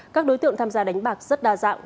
các đối tượng tham gia đánh bạc rất đa dạng